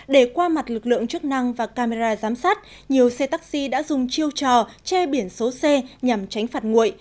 để qua mặt lực lượng chức năng và camera giám sát nhiều xe taxi đã dùng chiêu trò che biển số c nhằm tránh phạt nguội